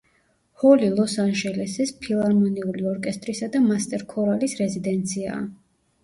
ჰოლი ლოს-ანჟელესის ფილარმონიული ორკესტრისა და მასტერ ქორალის რეზიდენციაა.